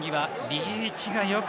リーチがよく。